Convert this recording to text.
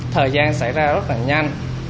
thời gian xảy ra rất là nhanh